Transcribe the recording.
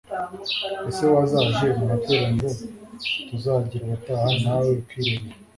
ese wazaje mu materaniro tuzagira ubutaha nawe ukirebera